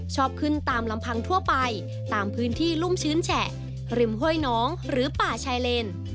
ชอบขึ้นตามลำพังทั่วไปตามพื้นที่รุ่มชื้นแฉะริมห้วยน้องหรือป่าชายเลน